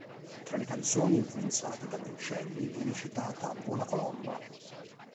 Tra le canzoni influenzate dagli uccelli viene citata "Vola colomba".